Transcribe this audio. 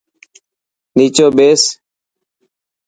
نيچو ٻيس.